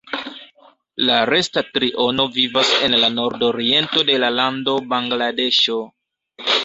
La resta triono vivas en la nordoriento de la lando Bangladeŝo.